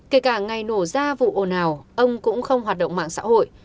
kể cả ngày nổ ra vụ ồn ào ông cũng không hoạt động mạng xã hội